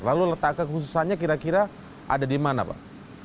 lalu letak kekhususannya kira kira ada di mana pak